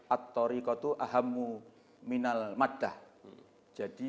atorikotu ahamu minalmaddah jadi